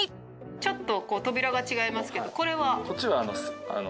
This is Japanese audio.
ちょっと扉が違いますけどこれは？